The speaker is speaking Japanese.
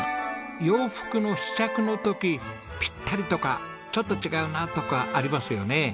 洋服の試着の時ピッタリ！とかちょっと違うなとかありますよね。